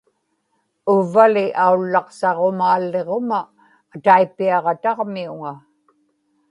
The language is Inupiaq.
uvvali aullaqsaġumaalliġuma ataipiaġataġmiuŋa